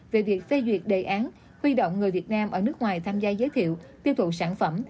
về việc phê duyệt đề án huy động người việt nam ở nước ngoài tham gia giới thiệu tiêu thụ sản phẩm